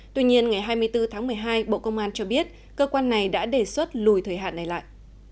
tuy nhiên ngày hai mươi bốn tháng một mươi hai bộ công an cho biết cơ quan này đã đề xuất lùi thời hạn này lại